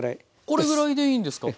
これぐらいでいいんですか？